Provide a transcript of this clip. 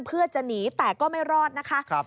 เพื่อจะหนีแต่ก็ไม่รอดนะคะ